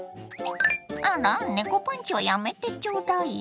あら猫パンチはやめてちょうだいよ。